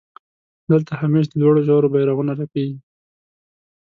دلته همېش د لوړو ژورو بيرغونه رپېږي.